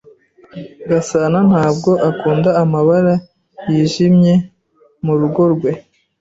Gasanantabwo akunda amabara yijimye murugo rwe.